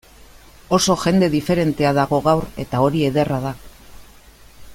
Oso jende diferentea dago gaur, eta hori ederra da.